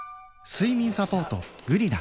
睡眠サポート「グリナ」